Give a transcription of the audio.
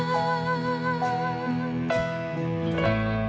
แต่เธอที่รัก